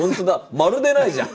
まるでないじゃん。